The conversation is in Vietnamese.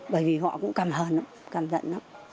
bởi vì họ cũng cảm hờn cảm giận